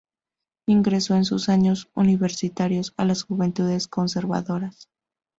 Ingresó en sus años universitarios a las juventudes conservadoras.